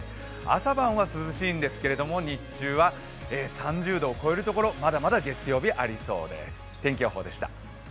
朝晩は、涼しいんですが、日中は３０度を超えるところまだまだ月曜日ありそうです。